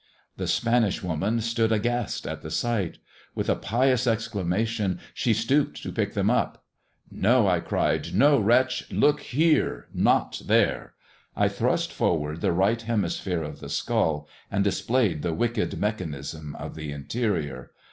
The Spanish woman stood aghast at the sight. With a pious exclamation she stooped to pick them up. " No," I cried :" no, wretch ! Look here — not there." I thrust forward the right hemisphere of the skull, and displayed the wicked mechanism of the interior.